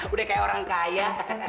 udah kayak orang kaya